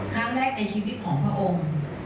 ครั้งแรกในชีวิตของพระองค์